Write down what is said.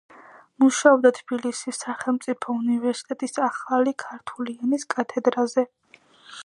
მუშაობდა თბილისის სახელმწიფო უნივერსიტეტის ახალი ქართული ენის კათედრაზე.